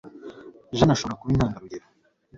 Jane ashobora kuba intangarugero